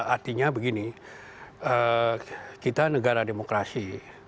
artinya begini kita negara demokrasi